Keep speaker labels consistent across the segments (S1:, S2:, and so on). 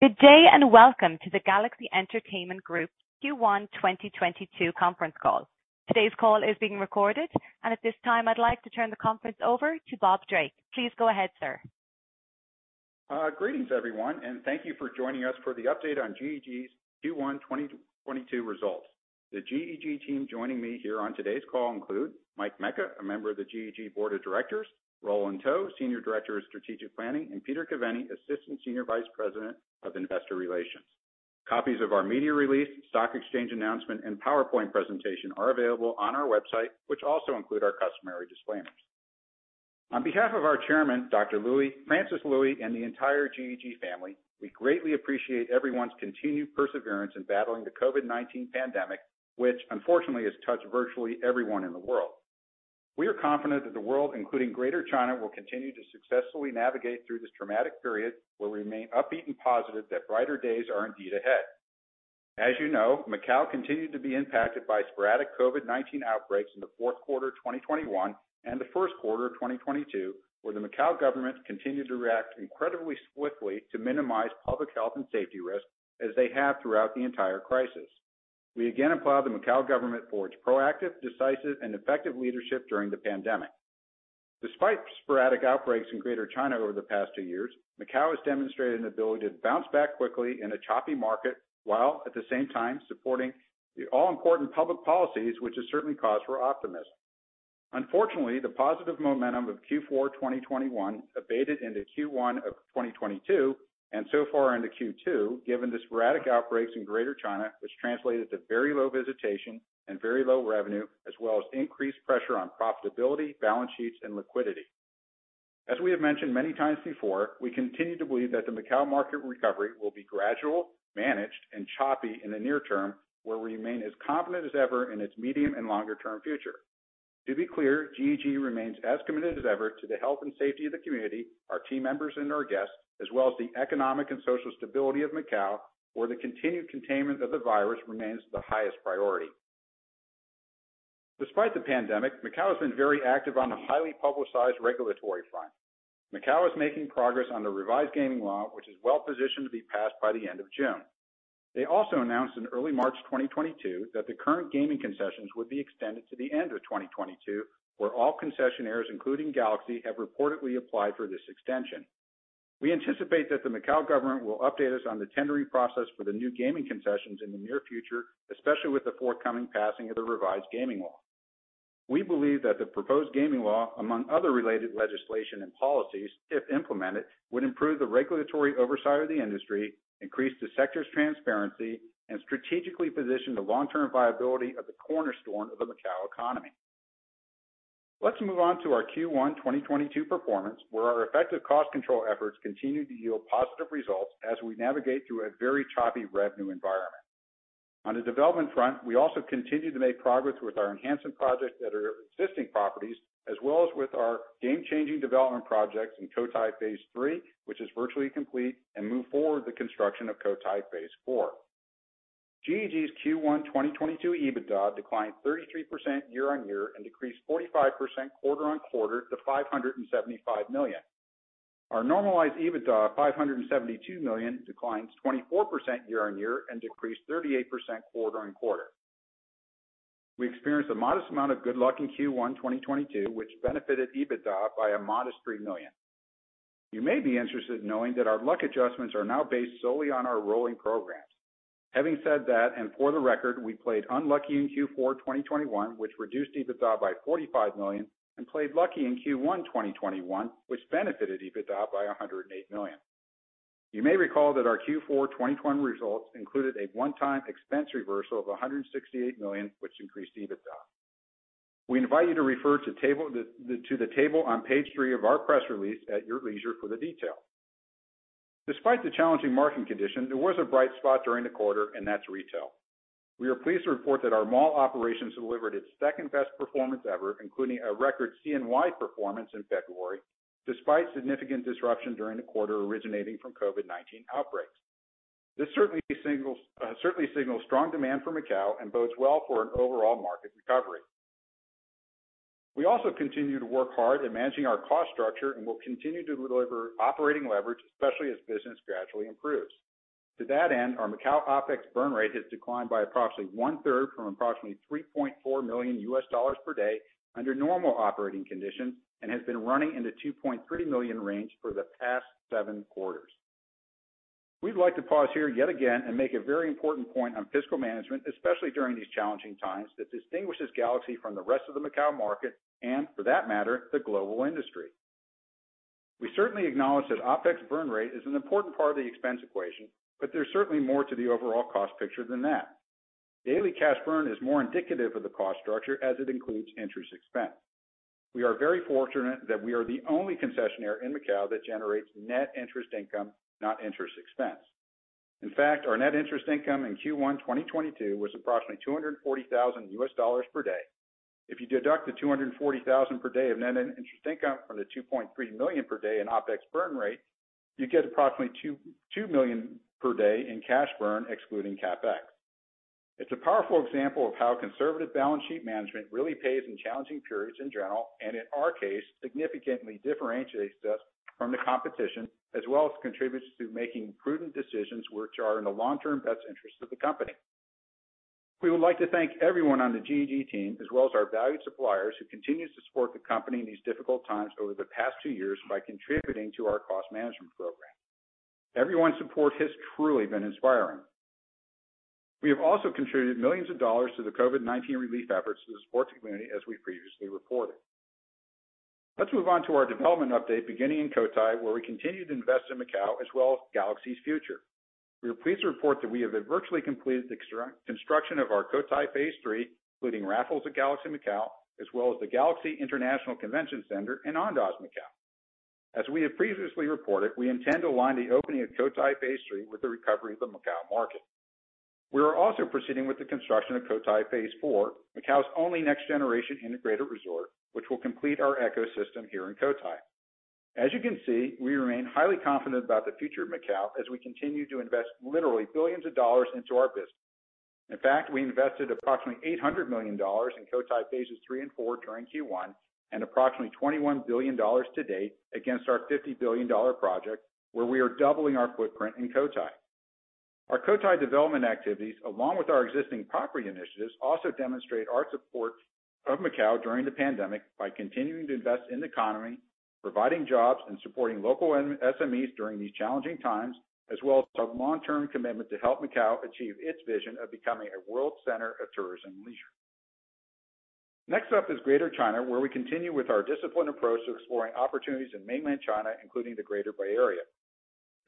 S1: Good day, and welcome to the Galaxy Entertainment Group Q1 2022 conference call. Today's call is being recorded, and at this time, I'd like to turn the conference over to Bob Drake. Please go ahead, sir.
S2: Greetings, everyone, and thank you for joining us for the update on GEG's Q1 2022 results. The GEG team joining me here on today's call include Mike Mecca, a member of the GEG Board of Directors, Roland To, Senior Director of Strategic Planning, and Peter Caveny, Assistant Senior Vice President of Investor Relations. Copies of our media release, stock exchange announcement, and PowerPoint presentation are available on our website, which also include our customary disclaimers. On behalf of our chairman, Dr. Lui, Francis Lui, and the entire GEG family, we greatly appreciate everyone's continued perseverance in battling the COVID-19 pandemic, which unfortunately has touched virtually everyone in the world. We are confident that the world, including Greater China, will continue to successfully navigate through this traumatic period, where we remain upbeat and positive that brighter days are indeed ahead. As you know, Macau continued to be impacted by sporadic COVID-19 outbreaks in the fourth quarter 2021 and the first quarter of 2022, where the Macau government continued to react incredibly swiftly to minimize public health and safety risks, as they have throughout the entire crisis. We again applaud the Macau government for its proactive, decisive, and effective leadership during the pandemic. Despite sporadic outbreaks in Greater China over the past two years, Macau has demonstrated an ability to bounce back quickly in a choppy market, while at the same time supporting the all-important public policies, which is certainly cause for optimism. Unfortunately, the positive momentum of Q4 2021 abated into Q1 of 2022, and so far into Q2, given the sporadic outbreaks in Greater China, which translated to very low visitation and very low revenue, as well as increased pressure on profitability, balance sheets, and liquidity. As we have mentioned many times before, we continue to believe that the Macau market recovery will be gradual, managed, and choppy in the near term, where we remain as confident as ever in its medium and longer-term future. To be clear, GEG remains as committed as ever to the health and safety of the community, our team members, and our guests, as well as the economic and social stability of Macau, where the continued containment of the virus remains the highest priority. Despite the pandemic, Macau has been very active on the highly publicized regulatory front. Macau is making progress on the revised gaming law, which is well-positioned to be passed by the end of June. They also announced in early March 2022 that the current gaming concessions would be extended to the end of 2022, where all concessionaires, including Galaxy, have reportedly applied for this extension. We anticipate that the Macau government will update us on the tendering process for the new gaming concessions in the near future, especially with the forthcoming passing of the revised gaming law. We believe that the proposed gaming law, among other related legislation and policies, if implemented, would improve the regulatory oversight of the industry, increase the sector's transparency, and strategically position the long-term viability of the cornerstone of the Macau economy. Let's move on to our Q1 2022 performance, where our effective cost control efforts continued to yield positive results as we navigate through a very choppy revenue environment. On the development front, we also continued to make progress with our enhancement projects at our existing properties, as well as with our game-changing development projects in Cotai Phase 3, which is virtually complete, and move forward the construction of Cotai Phase 4. GEG's Q1 2022 EBITDA declined 33% year-on-year and decreased 45% quarter-on-quarter to 575 million. Our normalized EBITDA of 572 million declines 24% year-on-year and decreased 38% quarter-on-quarter. We experienced a modest amount of good luck in Q1 2022, which benefited EBITDA by a modest 3 million. You may be interested in knowing that our luck adjustments are now based solely on our rolling program. Having said that, and for the record, we played unlucky in Q4 2021, which reduced EBITDA by 45 million, and played lucky in Q1 2021, which benefited EBITDA by 108 million. You may recall that our Q4 2021 results included a one-time expense reversal of 168 million, which increased EBITDA. We invite you to refer to table. Refer to the table on page 3 of our press release at your leisure for the detail. Despite the challenging market condition, there was a bright spot during the quarter, and that's retail. We are pleased to report that our mall operations delivered its second-best performance ever, including a record CNY performance in February, despite significant disruption during the quarter originating from COVID-19 outbreaks. This certainly signals strong demand for Macau and bodes well for an overall market recovery. We also continue to work hard in managing our cost structure and will continue to deliver operating leverage, especially as business gradually improves. To that end, our Macau OpEx burn rate has declined by approximately 1/3 from approximately $3.4 million per day under normal operating conditions and has been running in the $2.3 million range for the past 7 quarters. We'd like to pause here yet again and make a very important point on fiscal management, especially during these challenging times, that distinguishes Galaxy from the rest of the Macau market and, for that matter, the global industry. We certainly acknowledge that OpEx burn rate is an important part of the expense equation, but there's certainly more to the overall cost picture than that. Daily cash burn is more indicative of the cost structure as it includes interest expense. We are very fortunate that we are the only concessionaire in Macau that generates net interest income, not interest expense. In fact, our net interest income in Q1 2022 was approximately $240,000 per day. If you deduct the $240,000 per day of net interest income from the $2.3 million per day in OpEx burn rate, you get approximately $2 million per day in cash burn, excluding CapEx. It's a powerful example of how conservative balance sheet management really pays in challenging periods in general, and in our case, significantly differentiates us from the competition, as well as contributes to making prudent decisions which are in the long-term best interest of the company. We would like to thank everyone on the GEG team, as well as our valued suppliers, who continues to support the company in these difficult times over the past two years by contributing to our cost management program. Everyone's support has truly been inspiring. We have also contributed millions of dollars to the COVID-19 relief efforts to the sports community, as we previously reported. Let's move on to our development update, beginning in Cotai, where we continue to invest in Macau as well as Galaxy's future. We are pleased to report that we have virtually completed the construction of our Cotai Phase 3, including Raffles at Galaxy Macau, as well as the Galaxy International Convention Center and Andaz Macau. As we have previously reported, we intend to align the opening of Cotai Phase 3 with the recovery of the Macau market. We are also proceeding with the construction of Cotai Phase 4, Macau's only next-generation integrated resort, which will complete our ecosystem here in Cotai. As you can see, we remain highly confident about the future of Macau as we continue to invest literally billions of dollars into our business. In fact, we invested approximately 800 million dollars in Cotai Phase 3 and Cotai Phase 4 during Q1, and approximately 21 billion dollars to date against our 50 billion dollar project, where we are doubling our footprint in Cotai. Our Cotai development activities, along with our existing property initiatives, also demonstrate our support of Macau during the pandemic by continuing to invest in the economy, providing jobs, and supporting local and SMEs during these challenging times, as well as our long-term commitment to help Macau achieve its vision of becoming a world center of tourism and leisure. Next up is Greater China, where we continue with our disciplined approach to exploring opportunities in mainland China, including the Greater Bay Area.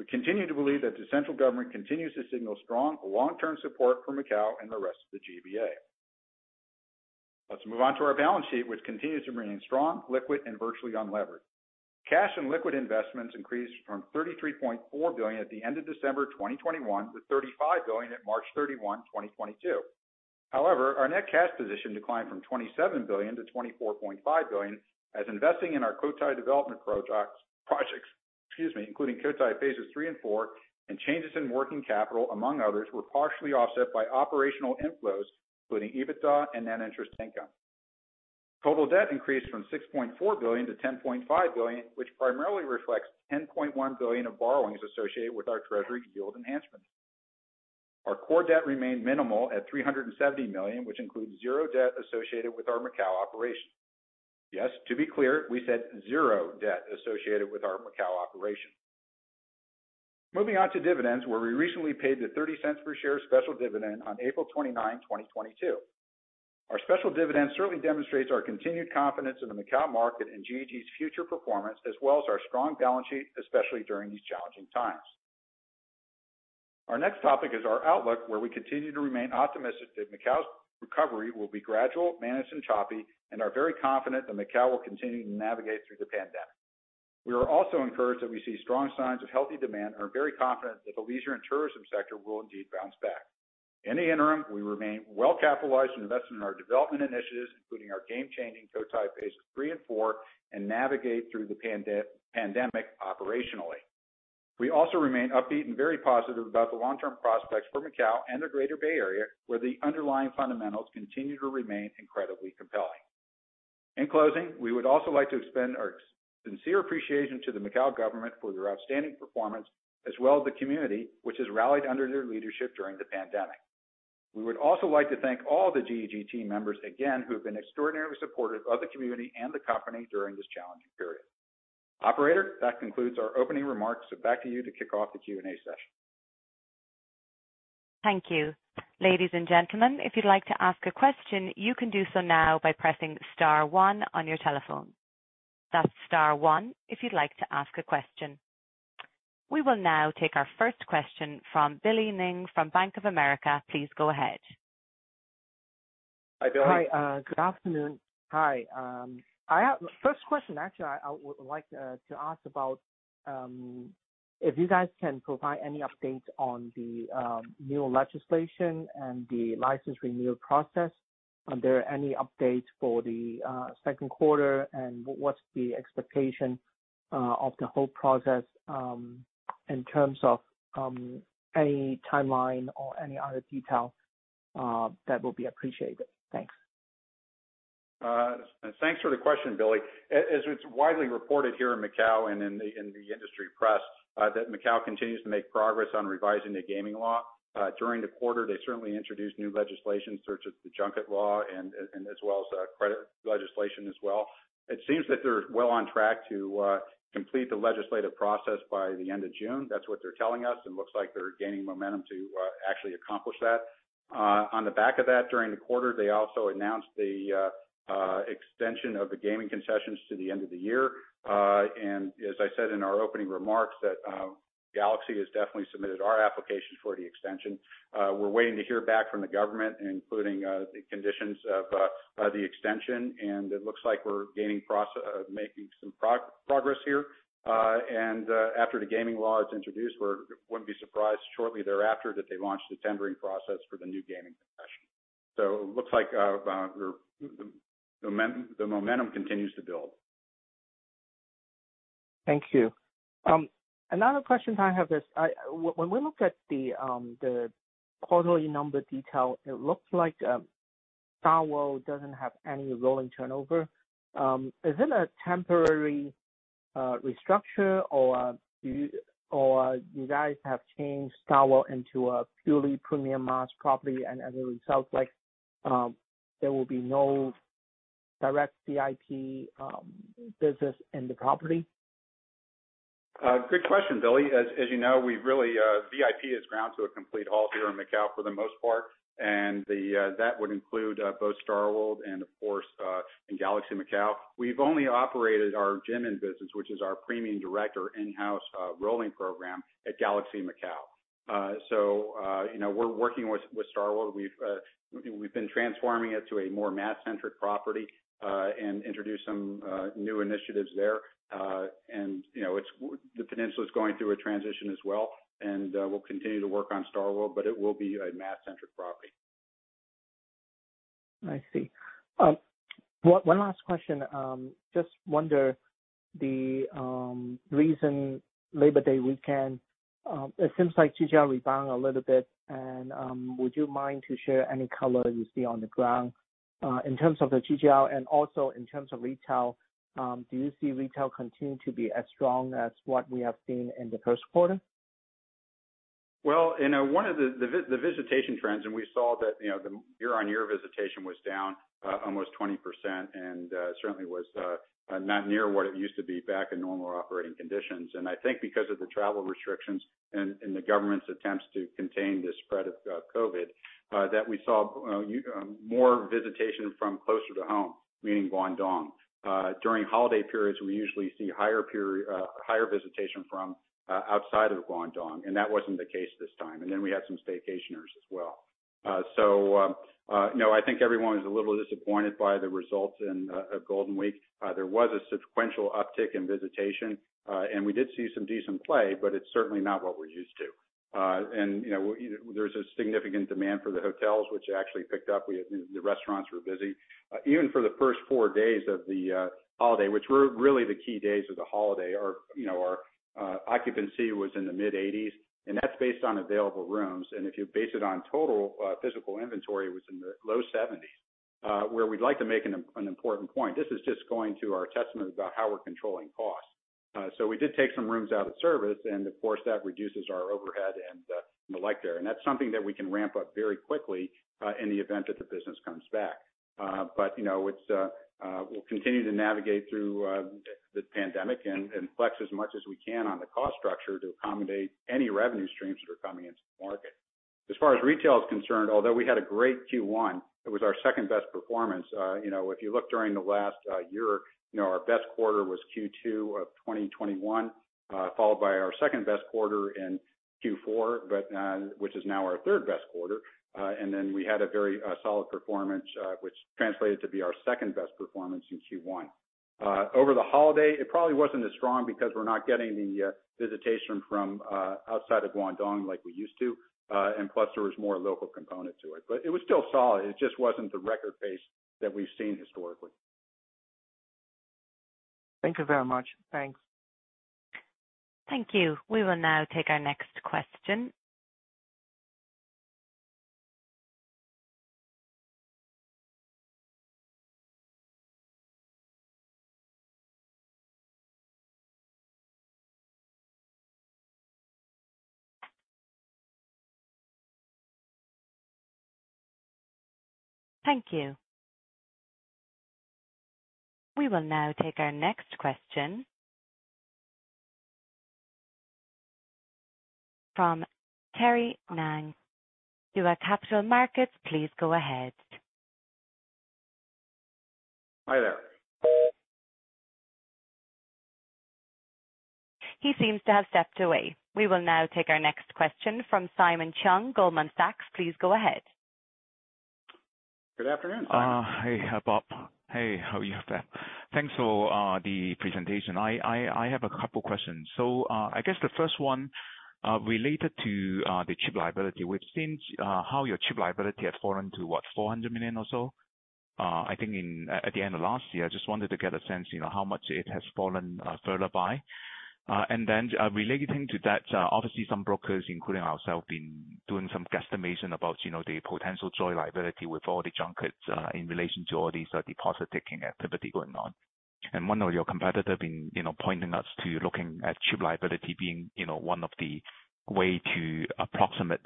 S2: We continue to believe that the central government continues to signal strong long-term support for Macau and the rest of the GBA. Let's move on to our balance sheet, which continues to remain strong, liquid, and virtually unlevered. Cash and liquid investments increased from 33.4 billion at the end of December 2021 to 35 billion at March 31, 2022. However, our net cash position declined from 27 billion to 24.5 billion, as investing in our Cotai development projects, including Cotai Phase 3 and Cotai Phase 4, and changes in working capital, among others, were partially offset by operational inflows, including EBITDA and net interest income. Total debt increased from 6.4 billion to 10.5 billion, which primarily reflects 10.1 billion of borrowings associated with our treasury yield enhancements. Our core debt remained minimal at 370 million, which includes zero debt associated with our Macau operations. Yes, to be clear, we said zero debt associated with our Macau operations. Moving on to dividends, where we recently paid the HK$0.30 per share special dividend on April 29, 2022. Our special dividend certainly demonstrates our continued confidence in the Macau market and GEG's future performance, as well as our strong balance sheet, especially during these challenging times. Our next topic is our outlook, where we continue to remain optimistic that Macau's recovery will be gradual, managed, and choppy, and are very confident that Macau will continue to navigate through the pandemic. We are also encouraged that we see strong signs of healthy demand and are very confident that the leisure and tourism sector will indeed bounce back. In the interim, we remain well-capitalized, investing in our development initiatives, including our game-changing Cotai Phase 3 and 4, and navigate through the pandemic operationally. We also remain upbeat and very positive about the long-term prospects for Macau and the Greater Bay Area, where the underlying fundamentals continue to remain incredibly compelling. In closing, we would also like to extend our sincere appreciation to the Macau government for their outstanding performance, as well as the community, which has rallied under their leadership during the pandemic. We would also like to thank all the GEG team members again who have been extraordinarily supportive of the community and the company during this challenging period. Operator, that concludes our opening remarks, so back to you to kick off the Q&A session.
S1: Thank you. Ladies and gentlemen, if you'd like to ask a question, you can do so now by pressing star one on your telephone. That's star one if you'd like to ask a question. We will now take our first question from Billy Ng from Bank of America. Please go ahead.
S2: Hi, Billy.
S3: Hi. Good afternoon. Hi. First question, actually, I would like to ask about if you guys can provide any updates on the new legislation and the license renewal process. Are there any updates for the second quarter, and what's the expectation of the whole process in terms of any timeline or any other detail that will be appreciated. Thanks.
S2: Thanks for the question, Billy. As it's widely reported here in Macau and in the industry press, that Macau continues to make progress on revising the gaming law. During the quarter, they certainly introduced new legislation such as the junket law and as well as credit legislation as well. It seems that they're well on track to complete the legislative process by the end of June. That's what they're telling us, and looks like they're gaining momentum to actually accomplish that. On the back of that, during the quarter, they also announced the extension of the gaming concessions to the end of the year. As I said in our opening remarks, that Galaxy has definitely submitted our application for the extension. We're waiting to hear back from the government, including the conditions of the extension, and it looks like we're making some progress here. After the gaming law is introduced, we wouldn't be surprised shortly thereafter that they launch the tendering process for the new gaming concession. Looks like the momentum continues to build.
S3: Thank you. Another question I have is when we look at the quarterly number detail, it looks like StarWorld doesn't have any rolling turnover. Is it a temporary restructure or you guys have changed StarWorld into a purely premium mass property and as a result, like, there will be no direct VIP business in the property?
S2: Good question, Billy Ng. As you know, we've really VIP has ground to a complete halt here in Macau for the most part. That would include both StarWorld and, of course, Galaxy Macau. We've only operated our JinMen business, which is our premium direct or in-house rolling program at Galaxy Macau. You know, we're working with StarWorld. We've been transforming it to a more mass-centric property and introduced some new initiatives there. You know, it's the peninsula is going through a transition as well, and we'll continue to work on StarWorld, but it will be a mass-centric property.
S3: I see. One last question. Just wonder the reason Labor Day weekend, it seems like GGR rebound a little bit. Would you mind to share any color you see on the ground, in terms of the GGR and also in terms of retail, do you see retail continue to be as strong as what we have seen in the first quarter?
S2: Well, in one of the visitation trends, we saw that, you know, the year-on-year visitation was down almost 20% and certainly was not near what it used to be back in normal operating conditions. I think because of the travel restrictions and the government's attempts to contain the spread of COVID that we saw more visitation from closer to home, meaning Guangdong. During holiday periods, we usually see higher visitation from outside of Guangdong. That wasn't the case this time. Then we had some staycationers as well. I think everyone was a little disappointed by the results in Golden Week. There was a sequential uptick in visitation, and we did see some decent play, but it's certainly not what we're used to. You know, there's a significant demand for the hotels which actually picked up. The restaurants were busy. Even for the first four days of the holiday, which were really the key days of the holiday. Our, you know, occupancy was in the mid-80s, and that's based on available rooms. If you base it on total physical inventory, it was in the low 70s. We'd like to make an important point. This is just going to be a testament to how we're controlling costs. We did take some rooms out of service, and of course, that reduces our overhead and more. That's something that we can ramp up very quickly, in the event that the business comes back. You know, we'll continue to navigate through this pandemic and flex as much as we can on the cost structure to accommodate any revenue streams that are coming into the market. As far as retail is concerned, although we had a great Q1, it was our second-best performance. You know, if you look during the last year, you know, our best quarter was Q2 of 2021, followed by our second-best quarter in Q4, which is now our third best quarter. Then we had a very solid performance, which translated to be our second best performance in Q1. Over the holiday, it probably wasn't as strong because we're not getting the visitation from outside of Guangdong like we used to. Plus there was more local component to it. It was still solid. It just wasn't the record pace that we've seen historically.
S3: Thank you very much. Thanks.
S1: Thank you. We will now take our next question from Terry Ng. Daiwa Capital Markets, please go ahead.
S4: Hi, there.
S1: He seems to have stepped away. We will now take our next question from Simon Cheung, Goldman Sachs. Please go ahead.
S2: Good afternoon.
S5: Hey, Bob. Hey, how are you? Thanks for the presentation. I have a couple questions. I guess the first one related to the chip liability. We've seen how your chip liability had fallen to, what, 400 million or so, I think at the end of last year. I just wanted to get a sense, you know, how much it has fallen further by. Relating to that, obviously some brokers, including ourselves, been doing some guesstimation about, you know, the potential joint liability with all the junkets in relation to all these deposit-taking activity going on. One of your competitor been, you know, pointing us to looking at chip liability being, you know, one of the way to approximate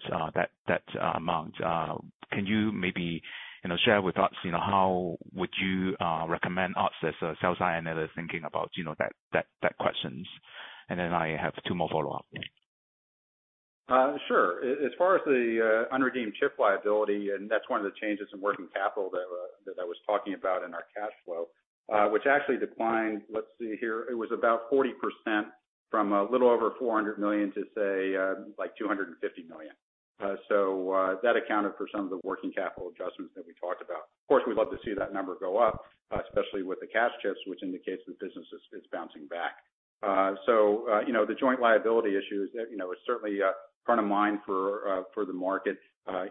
S5: that amount. Can you maybe, you know, share with us, you know, how would you recommend us as a sales analyst thinking about, you know, that questions? I have two more follow-up. Yeah.
S2: Sure. As far as the unredeemed chip liability, that's one of the changes in working capital that I was talking about in our cash flow, which actually declined. Let's see here. It was about 40% from a little over 400 million to say, like 250 million. That accounted for some of the working capital adjustments that we talked about. Of course, we'd love to see that number go up, especially with the cash chips, which indicates that business is bouncing back. You know, the joint liability issue is, you know, certainly front of mind for the market.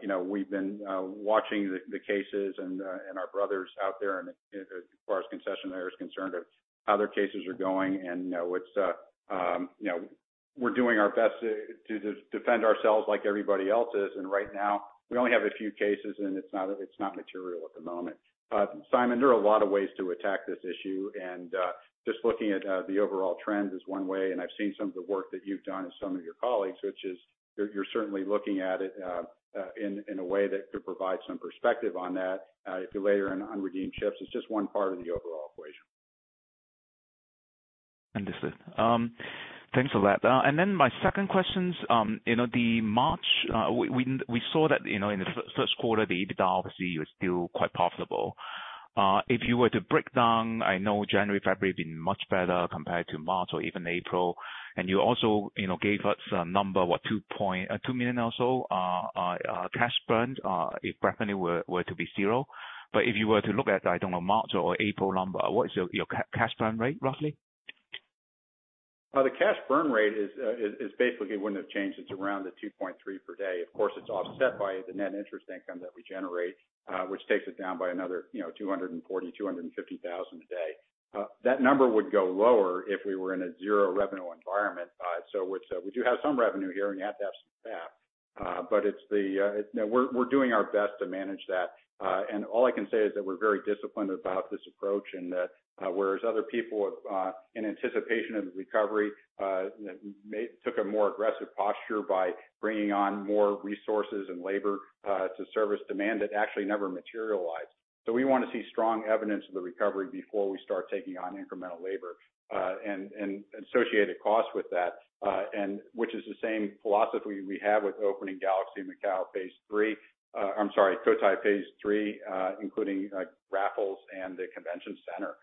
S2: You know, we've been watching the cases and our brothers out there and as far as concessionaire is concerned, of how their cases are going. You know, it's. We're doing our best to defend ourselves like everybody else is. Right now, we only have a few cases, and it's not material at the moment. Simon, there are a lot of ways to attack this issue, and just looking at the overall trends is one way. I've seen some of the work that you've done and some of your colleagues, which is you're certainly looking at it in a way that could provide some perspective on that. If you layer in unredeemed chips, it's just one part of the overall equation.
S5: Understood. Thanks for that. My second question is, you know, the March, we saw that, you know, in the first quarter, the EBITDA obviously was still quite profitable. If you were to break down, I know January, February had been much better compared to March or even April. You also gave us a number, what 2 million or so cash burn if revenue were to be zero. If you were to look at, I don't know, March or April number, what is your cash burn rate roughly?
S2: The cash burn rate basically wouldn't have changed. It's around $2.3 million per day. Of course, it's offset by the net interest income that we generate, which takes it down by another, you know, $240,000-$250,000 a day. That number would go lower if we were in a zero revenue environment. So we do have some revenue here, and you have to have some staff. But it's the, you know, we're doing our best to manage that. All I can say is that we're very disciplined about this approach, and that whereas other people in anticipation of the recovery took a more aggressive posture by bringing on more resources and labor to service demand that actually never materialized. We wanna see strong evidence of the recovery before we start taking on incremental labor and associated costs with that, which is the same philosophy we have with opening Galaxy Macau Phase Three. I'm sorry, Cotai Phase 3, including Raffles and the convention center.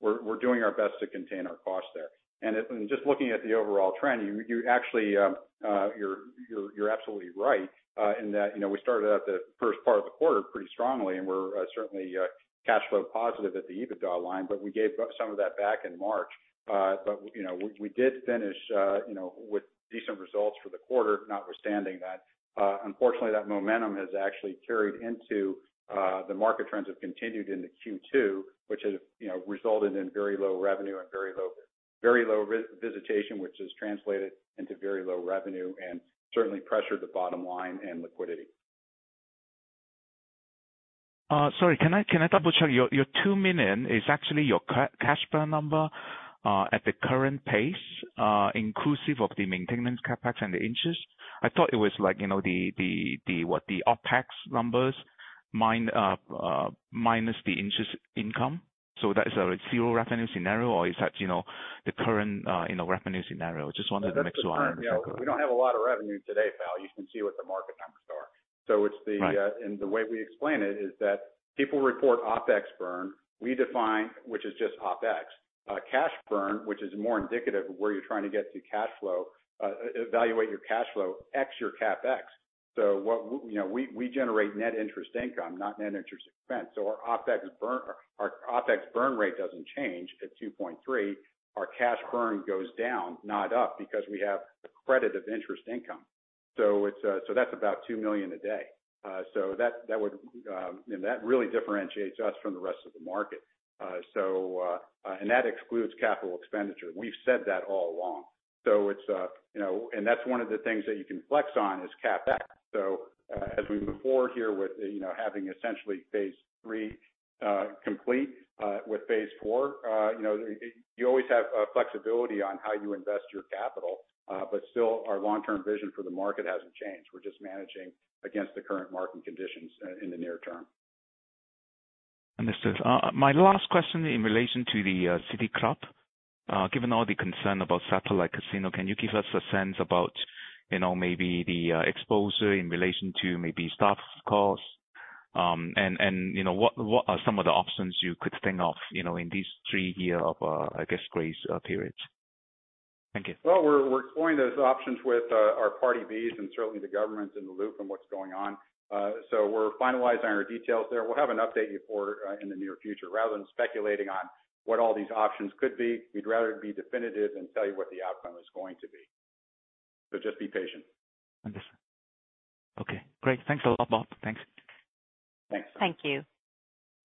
S2: We're doing our best to contain our costs there. Just looking at the overall trend, you actually, you're absolutely right, in that, you know, we started out the first part of the quarter pretty strongly, and we're certainly cash flow positive at the EBITDA line, but we gave back some of that in March. You know, we did finish, you know, with decent results for the quarter, notwithstanding that. Unfortunately, that momentum has actually carried into the market. Trends have continued into Q2, which has, you know, resulted in very low revenue and very low visitation, which has translated into very low revenue and certainly pressured the bottom line and liquidity.
S5: Sorry. Can I double-check? Your 2 million is actually your cash burn number at the current pace, inclusive of the maintenance CapEx and the interest. I thought it was like, you know, the OpEx numbers minus the interest income. That is a zero revenue scenario or is that the current revenue scenario? Just wondering for next quarter.
S2: Yeah, that's the trend. You know, we don't have a lot of revenue today, pal. You can see what the market numbers are.
S5: Right.
S2: The way we explain it is that people report OpEx burn, we define, which is just OpEx, cash burn, which is more indicative of where you're trying to get to cash flow, evaluate your cash flow, less your CapEx. You know, we generate net interest income, not net interest expense. Our OpEx burn rate doesn't change at $2.3. Our cash burn goes down, not up, because we have the credit of interest income. That's about $2 million a day. That really differentiates us from the rest of the market. That excludes capital expenditure. We've said that all along. You know, that's one of the things that you can flex on is CapEx. As we move forward here with, you know, having essentially Phase 3 complete, with Phase 4, you know, you always have flexibility on how you invest your capital. Still, our long-term vision for the market hasn't changed. We're just managing against the current market conditions in the near term.
S5: Understood. My last question in relation to the City Club. Given all the concern about satellite casino, can you give us a sense about, you know, maybe the exposure in relation to maybe staff costs? You know, what are some of the options you could think of, you know, in these three-year of, I guess, grace periods? Thank you.
S2: Well, we're exploring those options with our party B's and certainly the government's in the loop on what's going on. We're finalizing our details there. We'll have an update in the near future. Rather than speculating on what all these options could be, we'd rather be definitive and tell you what the outcome is going to be. Just be patient.
S5: Understood. Okay, great. Thanks a lot, Bob. Thanks.
S2: Thanks.
S1: Thank you.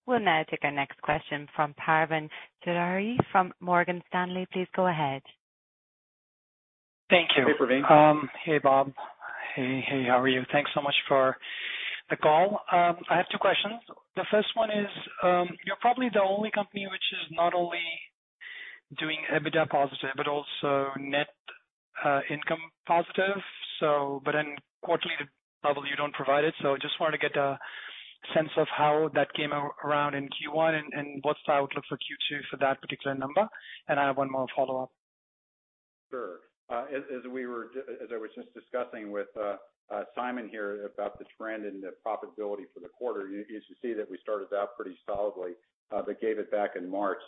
S1: We'll now take our next question from Praveen Choudhary from Morgan Stanley. Please go ahead.
S6: Thank you.
S2: Hey, Praveen.
S6: Hey, Bob. Hey, how are you? Thanks so much for the call. I have two questions. The first one is, you're probably the only company which is not only doing EBITDA positive but also net income positive. But then quarterly, the level you don't provide it. Just wanted to get a sense of how that came around in Q1 and what's the outlook for Q2 for that particular number. I have one more follow-up.
S2: Sure. As I was just discussing with Simon here about the trend and the profitability for the quarter, you see that we started out pretty solidly, but gave it back in March,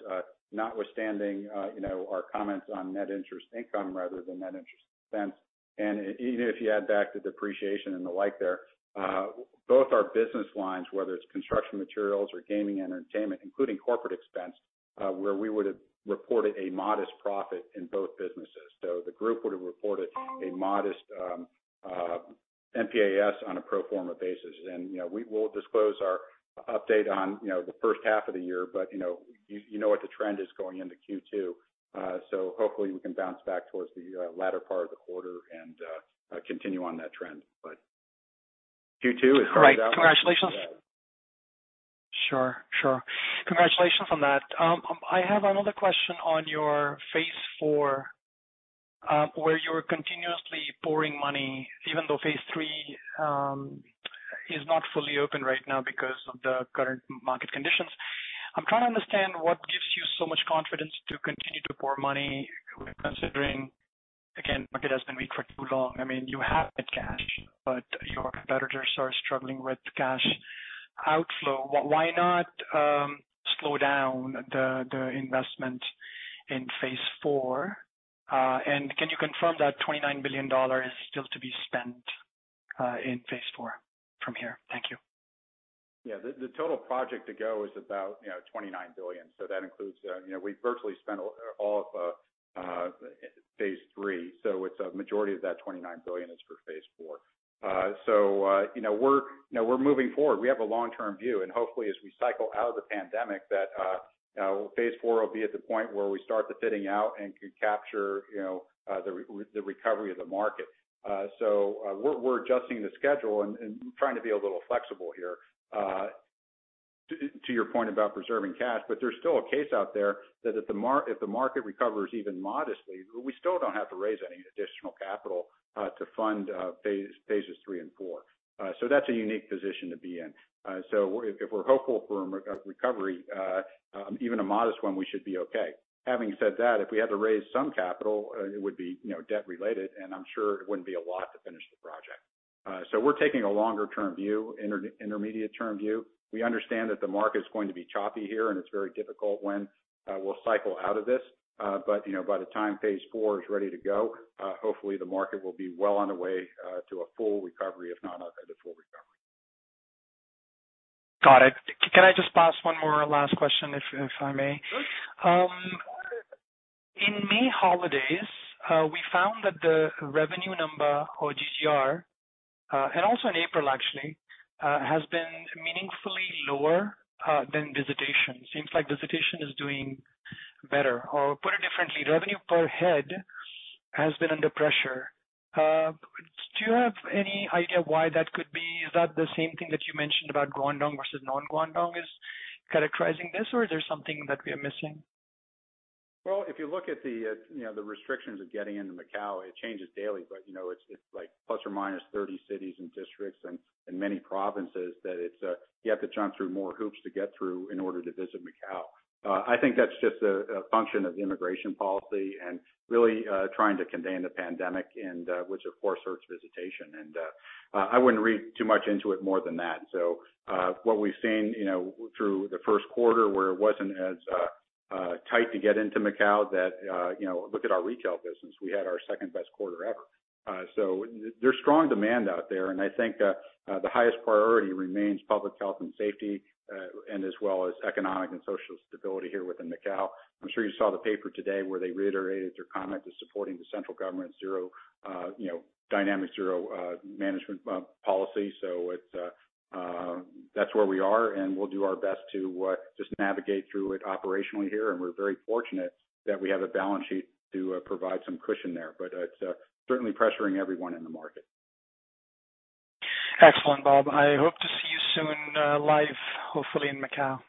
S2: notwithstanding, you know, our comments on net interest income rather than net interest expense. Even if you add back the depreciation and the like there, both our business lines, whether it's construction materials or gaming entertainment, including corporate expense, where we would have reported a modest profit in both businesses. The group would have reported a modest NPAT on a pro forma basis. You know, we will disclose our update on, you know, the first half of the year. You know what the trend is going into Q2. Hopefully we can bounce back towards the latter part of the quarter and continue on that trend. Q2 is hard to-
S6: Right. Congratulations. Sure. Congratulations on that. I have another question on your phase four, where you're continuously pouring money, even though phase three is not fully open right now because of the current market conditions. I'm trying to understand what gives you so much confidence to continue to pour money, considering, again, market has been weak for too long. I mean, you have the cash, but your competitors are struggling with cash outflow. Why not slow down the investment in phase four? Can you confirm that 29 billion dollars is still to be spent in Phase 4 from here? Thank you.
S2: Yeah. The total project to go is about, you know, 29 billion. That includes, you know, we've virtually spent all of Phase 3. It's a majority of that 29 billion is for Phase 4. You know, we're moving forward. We have a long-term view, and hopefully, as we cycle out of the pandemic that Phase 4 will be at the point where we start the fitting out and can capture, you know, the recovery of the market. We're adjusting the schedule and trying to be a little flexible here, to your point about preserving cash. There's still a case out there that if the market recovers even modestly, we still don't have to raise any additional capital to fund Phases 3 and 4. That's a unique position to be in. If we're hopeful for a recovery even a modest one, we should be okay. Having said that, if we had to raise some capital, it would be, you know, debt related, and I'm sure it wouldn't be a lot to finish the project. We're taking a longer term view, intermediate term view. We understand that the market is going to be choppy here, and it's very difficult when we'll cycle out of this. You know, by the time Phase 4 is ready to go, hopefully the market will be well on the way to a full recovery, if not on a full recovery.
S6: Got it. Can I just ask one more last question if I may?
S2: Sure.
S6: In May holidays, we found that the revenue number or GGR, and also in April actually, has been meaningfully lower than visitation. Seems like visitation is doing better. Or put it differently, revenue per head has been under pressure. Do you have any idea why that could be? Is that the same thing that you mentioned about Guangdong versus non-Guangdong is characterizing this, or is there something that we are missing?
S2: Well, if you look at the restrictions of getting into Macau, it changes daily. It's like ±30 cities and districts and many provinces that you have to jump through more hoops to get through in order to visit Macau. I think that's just a function of the immigration policy and really trying to contain the pandemic, which of course hurts visitation. I wouldn't read too much into it more than that. What we've seen through the first quarter where it wasn't as tight to get into Macau, look at our retail business. We had our second-best quarter ever. There's strong demand out there, and I think the highest priority remains public health and safety, and as well as economic and social stability here within Macau. I'm sure you saw the paper today where they reiterated their commitment to supporting the central government's zero, you know, dynamic zero management policy. That's where we are, and we'll do our best to just navigate through it operationally here. We're very fortunate that we have a balance sheet to provide some cushion there. It's certainly pressuring everyone in the market.
S6: Excellent, Bob. I hope to see you soon, live, hopefully in Macau.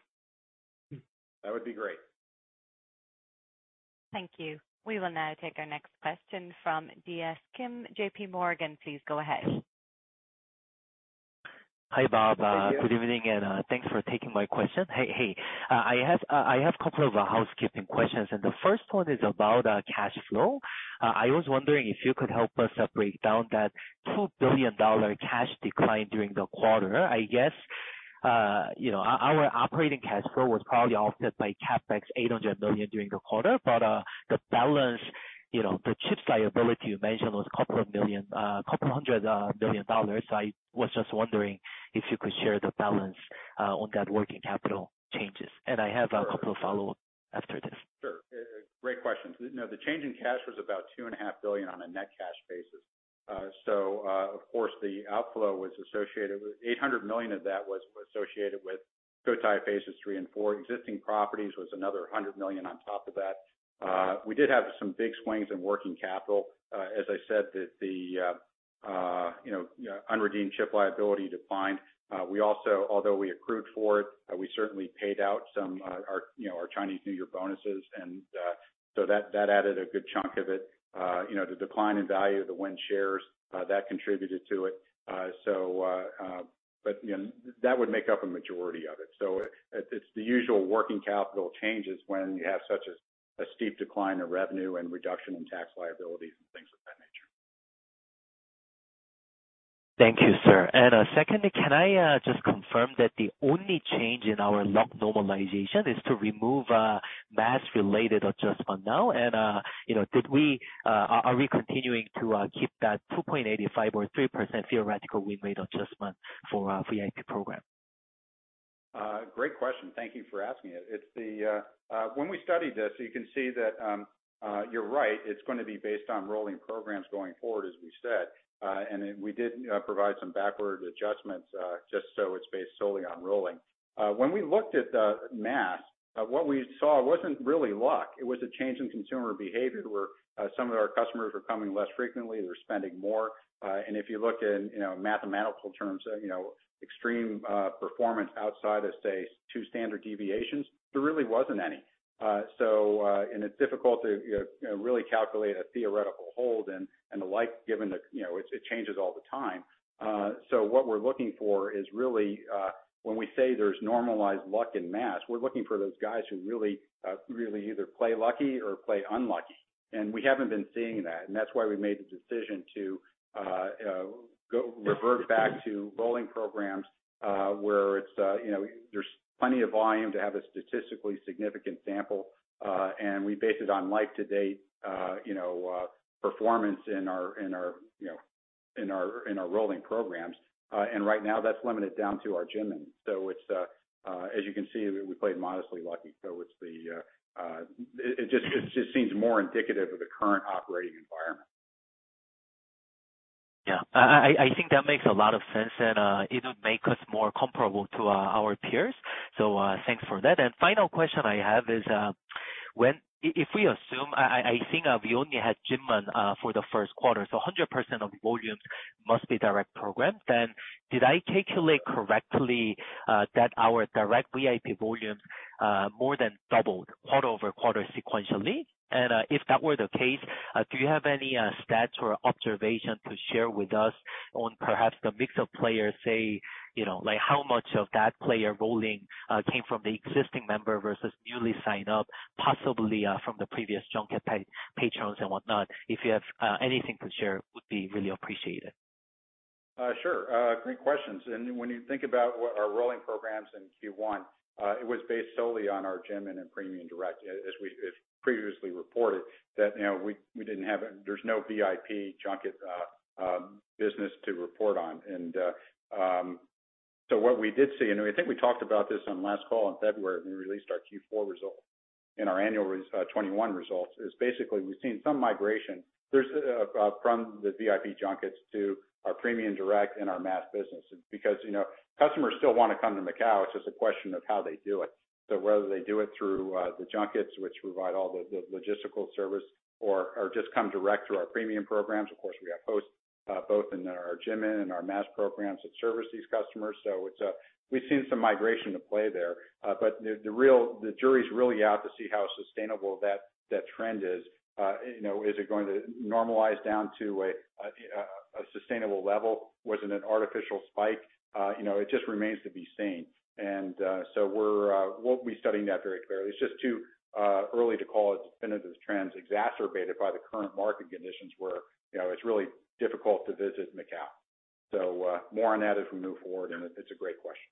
S2: That would be great.
S1: Thank you. We will now take our next question from DS Kim, JPMorgan. Please go ahead.
S7: Hi, Bob.
S2: Hi, DS.
S7: Good evening, and thanks for taking my question. I have a couple of housekeeping questions, and the first one is about cash flow. I was wondering if you could help us break down that 2 billion dollar cash decline during the quarter. I guess, you know, our operating cash flow was probably offset by CapEx 800 million during the quarter. The balance, you know, the chips liability you mentioned was 200 million dollars. I was just wondering if you could share the balance on that working capital changes. I have a couple of follow-up after this.
S2: Sure. Great question. You know, the change in cash was about 2.5 billion on a net cash basis. Of course, the outflow was associated with 800 million of that associated with Cotai Phase 3 and 4. Existing properties was another 100 million on top of that. We did have some big swings in working capital. As I said, the unredeemed chip liability declined. We also, although we accrued for it, we certainly paid out some of our Chinese New Year bonuses. That added a good chunk of it. You know, the decline in value of the Wynn shares, that contributed to it. That would make up a majority of it. It's the usual working capital changes when you have such a steep decline in revenue and reduction in tax liabilities and things of that nature.
S7: Thank you, sir. Secondly, can I just confirm that the only change in our normalization is to remove mass-related adjustment now? You know, are we continuing to keep that 2.85% or 3% theoretical win rate adjustment for our VIP program?
S2: Great question. Thank you for asking it. When we studied this, you can see that you're right, it's gonna be based on rolling programs going forward, as we said. Then we did provide some backward adjustments, just so it's based solely on rolling. When we looked at the mass, what we saw wasn't really luck. It was a change in consumer behavior where some of our customers were coming less frequently, they were spending more. If you look in, you know, mathematical terms, you know, extreme performance outside of, say, two standard deviations, there really wasn't any. It's difficult to, you know, really calculate a theoretical hold and the like, given the, you know, it changes all the time. What we're looking for is really, when we say there's normalized luck in mass, we're looking for those guys who really either play lucky or play unlucky. We haven't been seeing that, and that's why we made the decision to revert back to rolling programs, where it's, you know, there's plenty of volume to have a statistically significant sample. We base it on life to date, you know, performance in our rolling programs. Right now that's limited down to our JinMen. As you can see, we played modestly lucky. It just seems more indicative of the current operating environment.
S7: Yeah. I think that makes a lot of sense and it would make us more comparable to our peers. Thanks for that. Final question I have is, if we assume I think we only had JinMen for the first quarter, so 100% of volumes must be direct program, then did I calculate correctly that our direct VIP volumes more than doubled quarter-over-quarter sequentially? If that were the case, do you have any stats or observation to share with us on perhaps the mix of players, say, you know, like how much of that player rolling came from the existing member versus newly signed up, possibly from the previous junket patrons and whatnot? If you have anything to share, would be really appreciated.
S2: Sure. Great questions. When you think about what our rolling programs in Q1, it was based solely on our JinMen and premium direct as we previously reported that, you know, we didn't have. There's no VIP junket business to report on. What we did see, and I think we talked about this on last call in February when we released our Q4 results and our annual 2021 results, is basically we've seen some migration from the VIP junkets to our premium direct and our mass business. Because, you know, customers still wanna come to Macau, it's just a question of how they do it. Whether they do it through the junkets, which provide all the logistical service or just come direct through our premium programs, of course, we have hosts both in our JinMen and our mass programs that service these customers. We've seen some migration to play there. But the jury's really out to see how sustainable that trend is. You know, is it going to normalize down to a sustainable level? Was it an artificial spike? You know, it just remains to be seen. We'll be studying that very clearly. It's just too early to call it definitive trends exacerbated by the current market conditions where, you know, it's really difficult to visit Macau. More on that as we move forward, and it's a great question.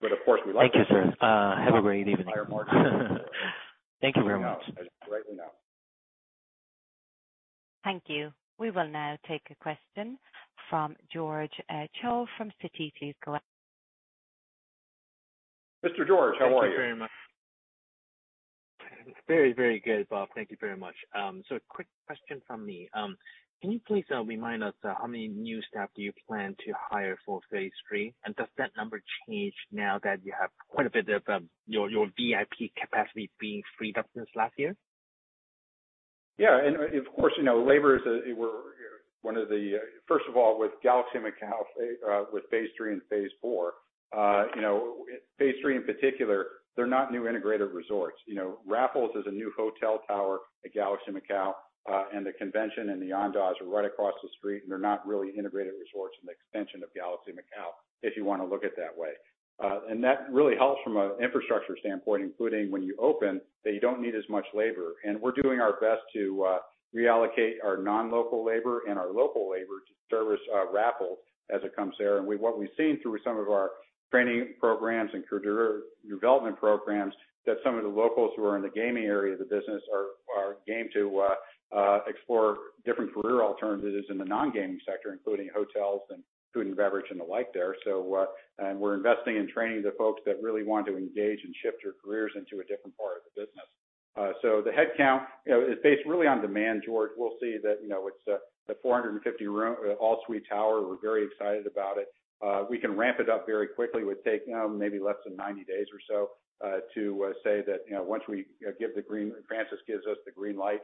S2: Of course, we like it.
S7: Thank you, sir. Have a great evening.
S2: Higher margins.
S7: Thank you very much.
S2: As you rightly know.
S1: Thank you. We will now take a question from George Choi from Citigroup.
S2: Mr. George, how are you?
S8: Thank you very much. Very, very good, Bob. Thank you very much. A quick question from me. Can you please remind us how many new staff do you plan to hire for Phase 3? Does that number change now that you have quite a bit of your VIP capacity being freed up since last year?
S2: Yeah. Of course, you know, labor is, we're one of the first of all, with Galaxy Macau, with Phase 3 and Phase 4, you know, Phase 3 in particular, they're not new integrated resorts. You know, Raffles is a new hotel tower at Galaxy Macau, and the convention and the Andaz are right across the street, and they're not really integrated resorts in the extension of Galaxy Macau, if you wanna look at it that way. That really helps from an infrastructure standpoint, including when you open, that you don't need as much labor. We're doing our best to reallocate our non-local labor and our local labor to service Raffles as it comes there. What we've seen through some of our training programs and career development programs, that some of the locals who are in the gaming area of the business are game to explore different career alternatives in the non-gaming sector, including hotels and food and beverage and the like there. We're investing in training the folks that really want to engage and shift their careers into a different part of the business. The headcount, you know, is based really on demand, George. We'll see that, you know, it's the 450-room, all-suite tower, we're very excited about it. We can ramp it up very quickly. It would take maybe less than 90 days or so to say that, you know, once Francis gives us the green light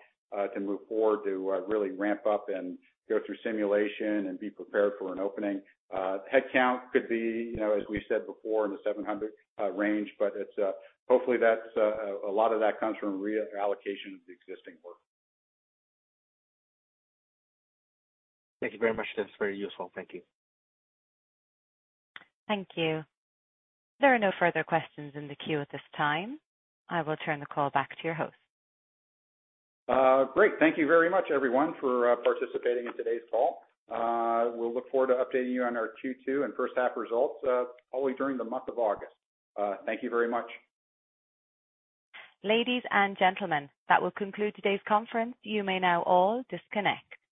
S2: to move forward to really ramp up and go through simulation and be prepared for an opening. Headcount could be, you know, as we said before, in the 700 range, but it's hopefully that's a lot of that comes from reallocation of the existing work.
S8: Thank you very much. That's very useful. Thank you.
S1: Thank you. There are no further questions in the queue at this time. I will turn the call back to your host.
S2: Great. Thank you very much, everyone, for participating in today's call. We'll look forward to updating you on our Q2 and first half results, probably during the month of August. Thank you very much.
S1: Ladies and gentlemen, that will conclude today's conference. You may now all disconnect.